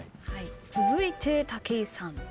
続いて武井さん。